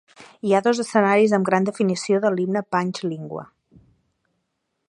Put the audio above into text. Hi ha dos escenaris amb gran definició de l'himne Pange lingua.